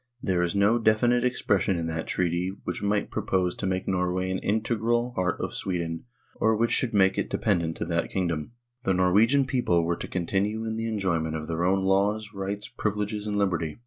There is no definite expression in that treaty which might propose to make Norway an integral part of Sweden, or which should make it dependent to that kingdom. The Norwegian people were to continue in the enjoyment of their own laws, rights, privileges, and liberty.